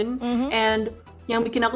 dan yang bikin aku seru adalah